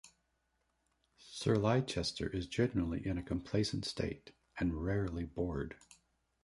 Sir Leicester is generally in a complacent state, and rarely bored.